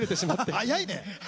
早いね。